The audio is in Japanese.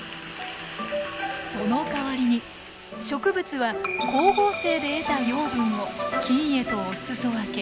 そのかわりに植物は光合成で得た養分を菌へとお裾分け。